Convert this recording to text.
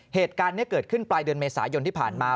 เหตุการณ์นี้เกิดขึ้นปลายเดือนเมษายนที่ผ่านมา